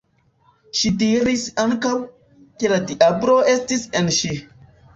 Ŝi diris ankaŭ, ke la diablo estis en ŝi.